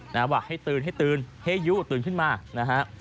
นะฮะว่าให้ตื่นให้ตื่นให้ยุตื่นขึ้นมานะฮะ